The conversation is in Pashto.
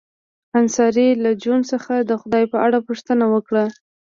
انصاري له جون څخه د خدای په اړه پوښتنه وکړه